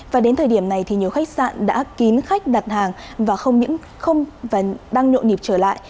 và đến thời điểm này thì nhiều khách sạn đã kín khách đặt hàng và không những không đang nhộn nhịp trở lại